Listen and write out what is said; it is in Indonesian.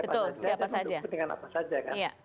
betul siapa saja